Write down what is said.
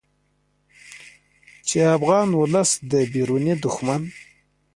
چې افغان ولس د بیروني دښمن